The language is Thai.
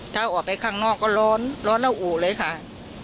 ถ้าออกไปข้างนอกก็ร้อนร้อนแล้วอู่เลยค่ะ